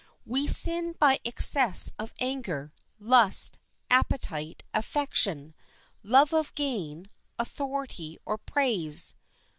We sin by excess of anger, lust, appetite, affection, love of gain, authority, or praise.